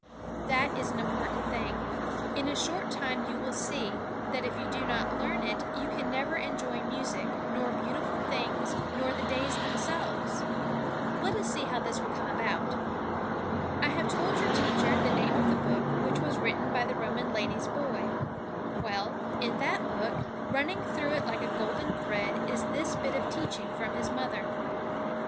That is an important thing. In a short time you will see, that if you do not learn it you can never enjoy music, nor beautiful things, nor the days themselves. Let us see how this will come about. I have told your teacher the name of the book which was written by the Roman lady's boy. Well, in that book, running through it like a golden thread, is this bit of teaching from his mother.